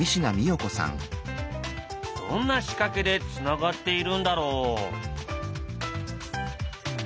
どんな仕掛けでつながっているんだろう？